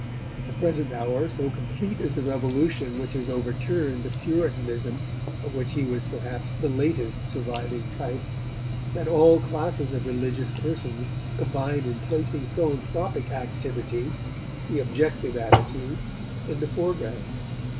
At the present hour, so complete is the revolution which has overturned the puritanism of which he was perhaps the latest surviving type, that all classes of religious persons combine in placing philanthropic activity, the objective attitude, in the foreground.